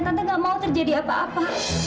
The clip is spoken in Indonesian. tante gak mau terjadi apa apa